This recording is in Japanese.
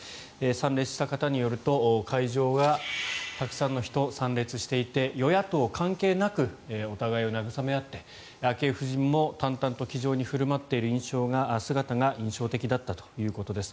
参列した方によると、会場にはたくさんの人が参列していて与野党関係なくお互いを慰め合って昭恵夫人も淡々と気丈に振る舞っている姿が印象的だったということです。